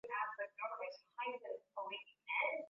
Malaika wakuabudu.